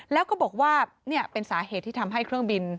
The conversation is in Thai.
แล้วก็บอกว่านี่เป็นสาเหตุที่ทำให้เครื่องบิน